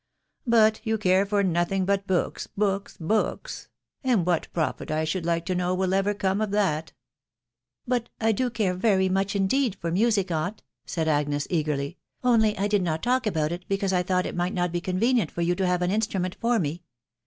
But you care for nothing but books, books, books !.... and what profit, I should like to know, will ever come of that?" " But I do care very much indeed for music, aunt," said Agnes eagerly, " only I did not talk about it, because I thought it might not be convenient for yow. to YflN* wv V&aftcfe ment for me.